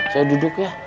saya duduk ya